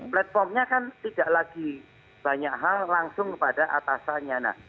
platformnya kan tidak lagi banyak hal langsung pada atasannya